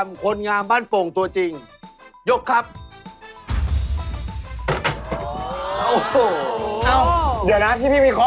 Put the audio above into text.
ว่า๓นี่วันนั่นเป็นไงน่ะถ้ะทำไมพี่พีคลิ้ง